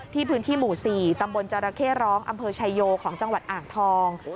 พื้นที่หมู่๔ตำบลจรเข้ร้องอำเภอชายโยของจังหวัดอ่างทอง